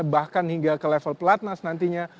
bahkan hingga ke level pelatnas nantinya